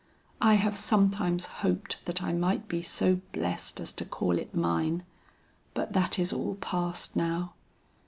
I have sometimes hoped that I might be so blessed as to call it mine, but that is all past now.